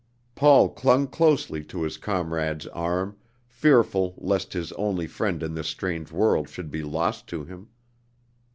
Paul clung closely to his comrade's arm, fearful lest his only friend in this strange world should be lost to him.